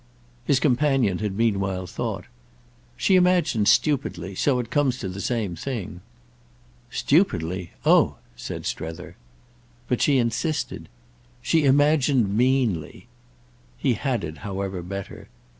His companion had meanwhile thought. "She imagined stupidly—so it comes to the same thing." "Stupidly? Oh!" said Strether. But she insisted. "She imagined meanly." He had it, however, better.